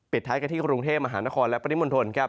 เป็นท้ายกันที่กรุงเทพฯมหานครและปฏิมนธน